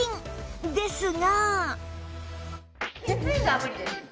ですが